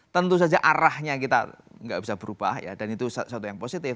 tentu saja arahnya kita nggak bisa berubah ya dan itu suatu yang positif